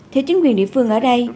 theo chính quyền địa phương ở đây